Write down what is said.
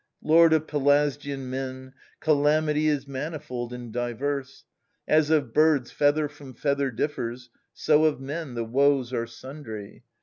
Lord of Pelasgian men, calamity 4^V*o Is manifold and diverse ; as of birds Feather from feather differs, so of men The woes are sundry.